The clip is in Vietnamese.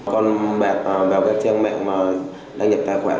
còn mẹ vào các trang mạng mà đăng nhập tài khoản